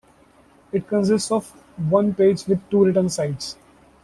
It consists of one page with two written sides.